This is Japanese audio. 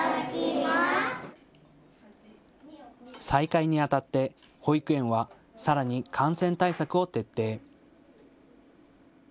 再開にあたって保育園はさらに感染対策を徹底。